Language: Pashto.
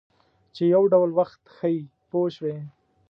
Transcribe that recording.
چې یو ډول وخت ښیي پوه شوې!.